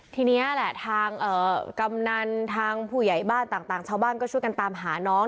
ทีนี้แหละทางกำนันทางผู้ใหญ่บ้านต่างชาวบ้านก็ช่วยกันตามหาน้อง